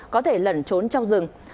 có thể lẩn trốn trong rừng